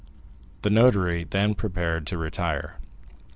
The notary then prepared to retire.